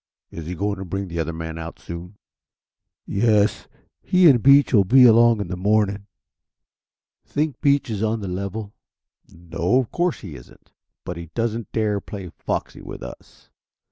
"Is he going to bring the other man out soon?" "Yes. He and Beach will be along in the morning." "Think Beach is on the level?" "No, of course he isn't. But he doesn't dare play foxy with us.